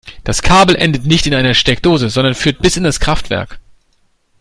Das Kabel endet nicht in einer Steckdose, sondern führt bis in das Kraftwerk.